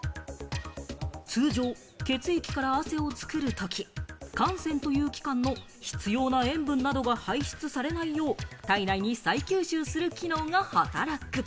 通常、血液から汗を作るとき、汗腺という器官の必要な塩分などが排出されないよう、体内に再吸収する機能が働く。